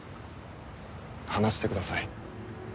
話してください。